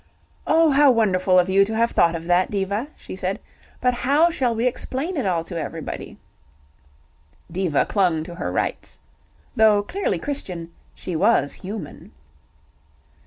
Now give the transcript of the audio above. "Oh, how wonderful of you to have thought of that, Diva," she said. "But how shall we explain it all to everybody?" Diva clung to her rights. Though clearly Christian, she was human.